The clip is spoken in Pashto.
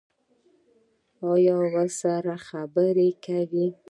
ایا ورسره خبرې کوئ؟